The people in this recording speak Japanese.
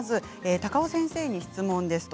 高尾先生に質問です。